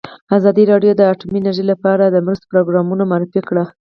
ازادي راډیو د اټومي انرژي لپاره د مرستو پروګرامونه معرفي کړي.